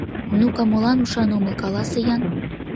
— Ну-ка, молан ушан омыл, каласе-ян?